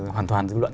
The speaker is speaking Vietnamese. hoàn toàn dư luận